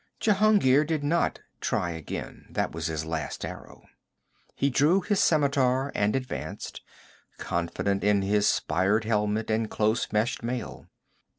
Jehungir did not try again. That was his last arrow. He drew his scimitar and advanced, confident in his spired helmet and close meshed mail.